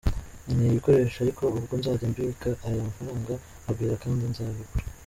Nkeneye ibikoresho ariko ubwo nzajya mbika aya mafaranga agwire kandi nzabigura….